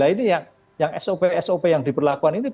ini yang sop sop yang diperlakukan ini